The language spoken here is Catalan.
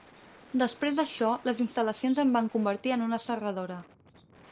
Després d'això, les instal·lacions en van convertir en una serradora.